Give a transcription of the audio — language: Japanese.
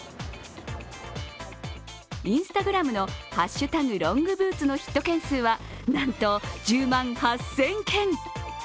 Ｉｎｓｔａｇｒａｍの「＃ロングブーツ」のヒット件数はなんと１０万８０００件。